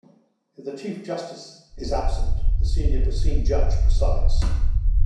If the Chief Justice is absent, the senior puisne judge presides.